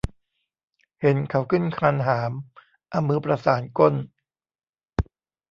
เห็นเขาขึ้นคานหาม เอามือประสานก้น